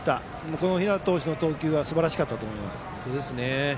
この日當投手の投球はすばらしかったと思います。